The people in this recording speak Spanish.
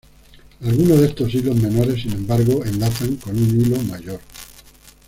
Algunos de estos hilos menores, sin embargo, enlazan con un hilo mayor.